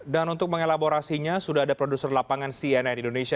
dan untuk mengelaborasinya sudah ada produser lapangan cnn indonesia